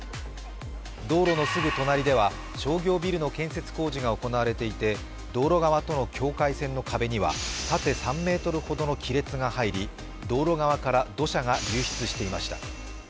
道路のすぐ隣では、商業ビルの建設工事が行われていて道路側との境界線の壁には縦３ｍほどの亀裂が入り道路側から土砂が流出していました。